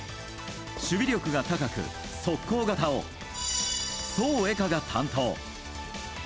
守備力が高く速攻型を宋恵佳が担当。